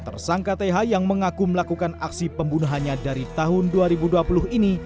tersangka th yang mengaku melakukan aksi pembunuhannya dari tahun dua ribu dua puluh ini